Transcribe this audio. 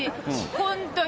本当に。